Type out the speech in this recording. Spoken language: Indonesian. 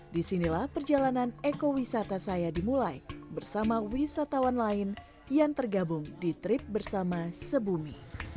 disinilah perjalanan ekowisata saya dimulai bersama wisatawan lain yang tergabung di trip bersama sebumi